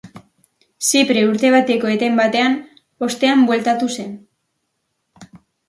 Zipre urte bateko eten baten ostean bueltatu zen.